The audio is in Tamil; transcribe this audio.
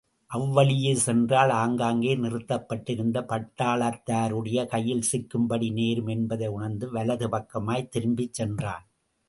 அவ்வழியே சென்றால் ஆங்காங்கே நிறுத்தப்படிருந்த பட்டாளத்தாருடைய கையில் சிக்கும்படி நேரும் என்பதை உணர்ந்து, வலது பக்கமாய்த் திரும்பிச் சென்றான்.